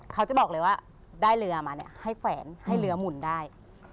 เขาจะบอกเลยว่าได้เรือมาเนี่ยให้แฝนให้เรือหมุนได้